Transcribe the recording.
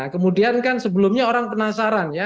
kemudian kan sebelumnya orang penasaran ya